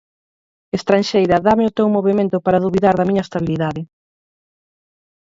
Estranxeira dáme o teu movemento para dubidar da miña estabilidade.